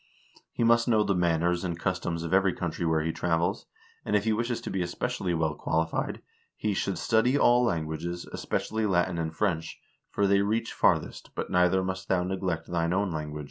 He must know the manners and customs of every country where he travels, and, if he wishes to be especially well qualified, he "should study all languages, especially Latin and French, for they reach farthest, but neither must thou neglect thine own language."